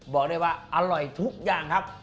บอกได้ว่าอร่อยทุกอย่างครับ